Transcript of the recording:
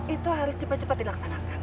itu harus cepat cepat dilaksanakan